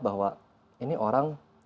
bahwa ini orang